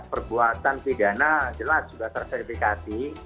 perbuatan pidana jelas sudah terverifikasi